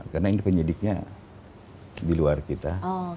karena ini penyelidiknya di luar kita